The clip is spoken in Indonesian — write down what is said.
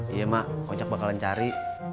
iya mak ojek bakalan cari